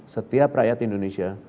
setiap rakyat indonesia